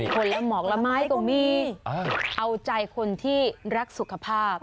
คนละหมอกละไม้ก็มีเอาใจคนที่รักสุขภาพ